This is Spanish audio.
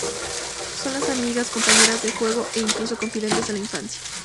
Son las amigas, compañeras de juego e incluso confidentes de la infancia.